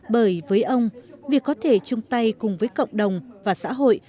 bởi với ông việc có thể chung tay cùng với cộng đồng và xã hội